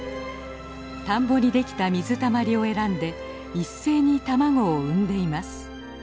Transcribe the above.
田んぼにできた水たまりを選んで一斉に卵を産んでいます。